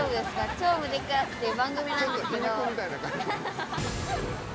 『超無敵クラス』っていう番組なんですけど。